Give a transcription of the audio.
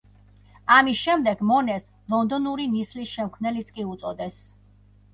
ამის შემდეგ მონეს „ლონდონური ნისლის შემქმნელიც“ კი უწოდეს.